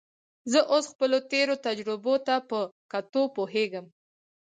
زه اوس خپلو تېرو تجربو ته په کتو پوهېږم.